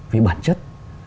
vì bản chất